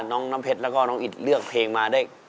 น้องน้ำเพชรแล้วก็น้องอิดเลือกเพลงมาได้